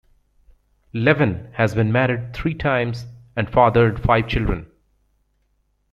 Levin has been married three times and fathered five children.